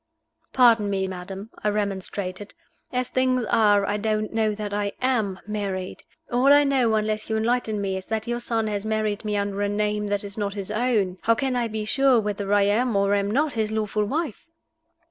"Pardon me, madam," I remonstrated. "As things are, I don't know that I am married. All I know, unless you enlighten me, is that your son has married me under a name that is not his own. How can I be sure whether I am or am not his lawful wife?"